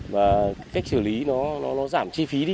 và cách xử lý nó giảm chi phí đi